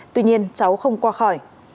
tuy nhiên cháu không qua khỏi